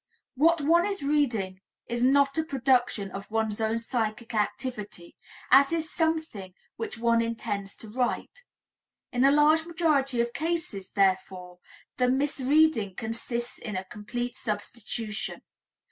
What one is reading is not a production of one's own psychic activity, as is something which one intends to write. In a large majority of cases, therefore, the misreading consists in a complete substitution.